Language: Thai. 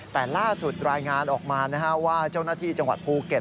แต่ล่าสุดรายงานออกมาว่าเจ้าหน้าที่จังหวัดภูเก็ต